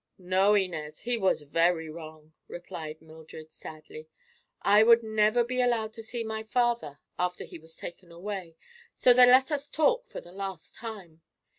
"No, Inez, he was very wrong," replied Mildred sadly. "I would never be allowed to see my father after he was taken away, so they let us talk for the last time.